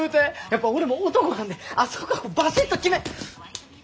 やっぱ俺も男なんであそこからバシッと決め。